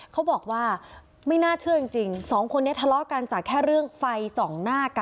เขาบอกว่าไม่น่าเชื่อจริงสองคนนี้ทะเลาะกันจากแค่เรื่องไฟส่องหน้ากัน